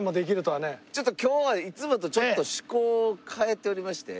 今日はいつもとちょっと趣向を変えておりまして。